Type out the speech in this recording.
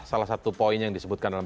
salah satu poin yang disebutkan dalam